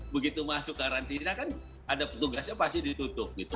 begitu masuk karantina kan ada petugasnya pasti ditutup gitu